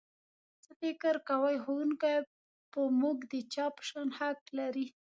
څه فکر کوئ ښوونکی په موږ د چا په شان حق لري؟